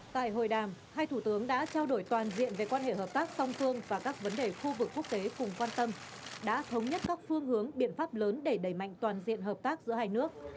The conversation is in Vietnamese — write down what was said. tại hội đàm hai thủ tướng đã trao đổi toàn diện về quan hệ hợp tác song phương và các vấn đề khu vực quốc tế cùng quan tâm đã thống nhất các phương hướng biện pháp lớn để đẩy mạnh toàn diện hợp tác giữa hai nước